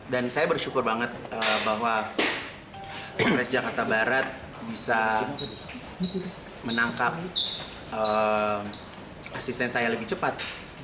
dan saya bersyukur banget bahwa polres jakarta barat bisa menangkap asisten saya lebih cepat